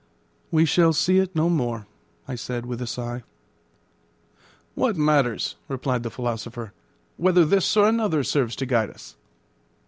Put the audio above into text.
"We shall see it no more," I said, with a sigh. "What matters," replied the philosopher, "whether this or another serves to guide us?"